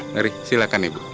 mari silakan ibu